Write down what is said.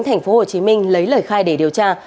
tp hcm lấy lời khai để điều tra